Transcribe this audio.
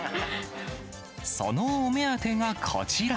そのお目当てがこちら。